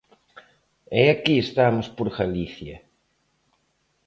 E aquí estamos por Galicia.